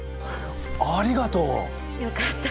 ありがとう！よかったです。